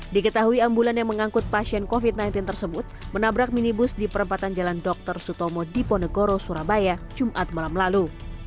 diketahui ambulan yang mengangkut pasien covid sembilan belas tersebut menabrak minibus di perempatan jalan dr sutomo diponegoro surabaya jumat malam lalu